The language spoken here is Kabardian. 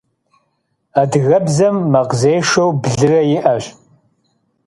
Adıgebzem makhzêşşeu blıre yi'eş.